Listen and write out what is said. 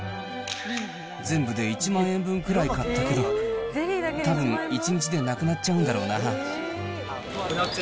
全部で１万円分くらい買ったけど、たぶん、１日でなくなっちゃうんだろうな。